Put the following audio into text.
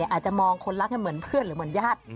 อาจจะมองคนรักเหมือนเพื่อนหรือเหมือนญาติ